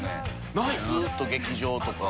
ずっと劇場とか。